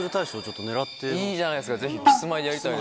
いいじゃないですかぜひ。